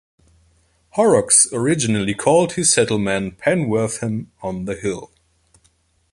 Horrocks originally called his settlement "Penwortham-on-the-Hill".